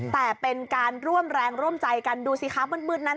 แต่เป็นการร่วมแรงร่วมใจกันดูสิคะมืดนั้น